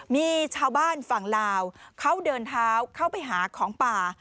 มีชาวบ้านฝั่งลาวเขาเดินเท้าเข้าไปหาของป่า